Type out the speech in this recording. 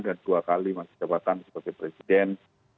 dan dua kali masa jabatan sebagai presiden